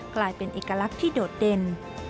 กลายเป็นเอกลักษณ์ที่โดดเด่น